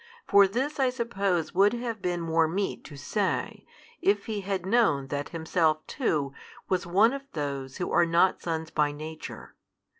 For this I suppose would have been more meet to |160 say, if He had known that Himself too was one of those who are not sons by Nature.